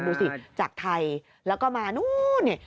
ดูสิจากไทยแล้วก็มานู้นเนี่ย